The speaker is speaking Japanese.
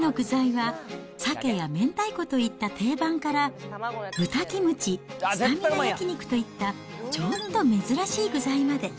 ぼんごのお握りの具材は、サケや明太子といった定番から、豚キムチ、スタミナ焼き肉といったちょっと珍しい具材まで。